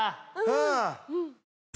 うん。